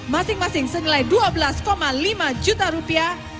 masing masing senilai dua belas lima juta rupiah